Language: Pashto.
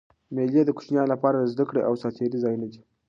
مېلې د کوچنيانو له پاره د زدهکړي او ساتېري ځایونه دي.